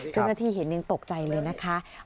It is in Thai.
เจ้าหน้าที่เห็นยังตกใจเลยนะคะ